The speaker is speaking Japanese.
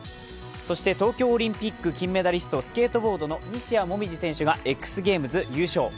そして東京オリンピック金メダリスト・スケートボードの西矢椛選手がＸゲームズ優勝。